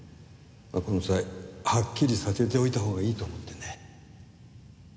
この際はっきりさせておいたほうがいいと思ってね。